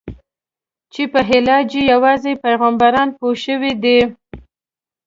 چې په علاج یې یوازې پیغمبران پوه شوي دي.